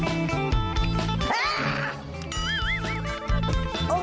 ย่าดาวเก่าอีกย้า